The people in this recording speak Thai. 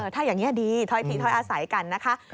ถ้าอย่างนี้ดีถ้อยทีถ้อยอาศัยกันนะคะ